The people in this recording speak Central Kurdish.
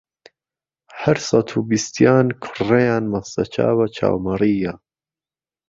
هەر سهت و بیستیان کوڕڕهیان مهسته چاوه چاو مەڕييه